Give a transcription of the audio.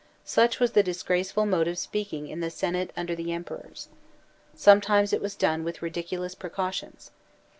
Such was the disgrace ful mode of speaking in the Senate under the Em perors. Sometimes it was done with ridiculous precautions.